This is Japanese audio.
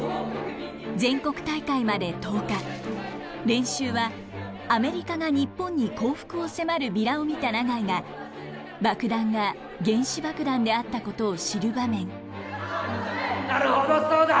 練習はアメリカが日本に降伏を迫るビラを見た永井が爆弾が原子爆弾であったことを知る場面。